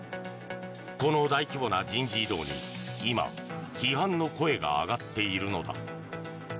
この大規模な人事異動に今、批判の声が上がっているのだ。